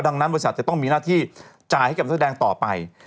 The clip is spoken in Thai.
ดังนั้นบริษัทจะต้องมีหน้าที่จ่ายให้กับนักแสดงต่อไป